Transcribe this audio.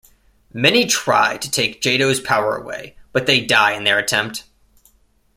Many try to take Jado's power away, but they die in their attempt.